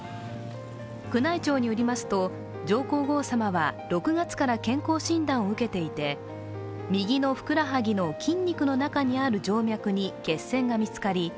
宮内庁によりますと、上皇后さまは６月から健康診断を受けていて右のふくらはぎの筋肉の中にある静脈に血栓が見つかり